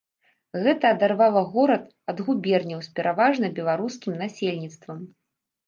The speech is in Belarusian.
Гэта адарвала горад ад губерняў з пераважна беларускім насельніцтвам.